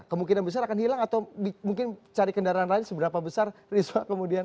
kemungkinan besar akan hilang atau mungkin cari kendaraan lain seberapa besar risma kemudian